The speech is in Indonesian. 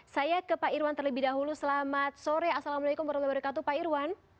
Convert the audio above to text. saya ke pak irwan terlebih dahulu selamat sore assalamualaikum warahmatullahi wabarakatuh pak irwan